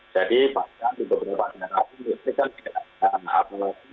jadi pada beberapa daerah pemerintah itu tidak akan hafal lagi